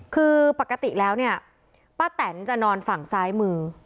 คือปกติแล้วเนี่ยป้าแตนจะนอนฝั่งซ้ายมือ